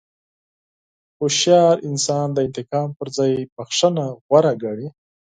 هوښیار انسان د انتقام پر ځای بښنه غوره ګڼي.